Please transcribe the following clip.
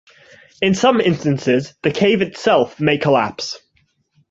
In some instances, the cave itself may collapse.